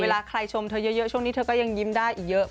เวลาใครชมเธอเยอะช่วงนี้เธอก็ยังยิ้มได้อีกเยอะ